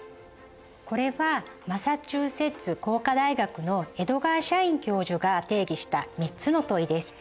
これはマサチューセッツ工科大学のエドガー・シャイン教授が定義した３つの問いです。